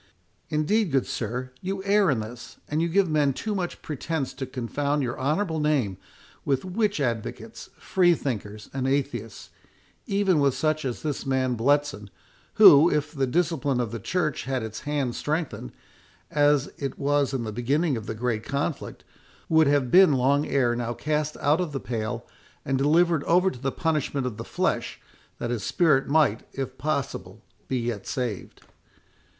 Indeed, good sir, you err in this, and give men too much pretence to confound your honourable name with witch advocates, free thinkers, and atheists, even with such as this man Bletson, who, if the discipline of the church had its hand strengthened, as it was in the beginning of the great conflict, would have been long ere now cast out of the pale, and delivered over to the punishment of the flesh, that his spirit might, if possible, be yet saved."